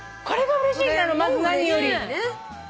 まず何より。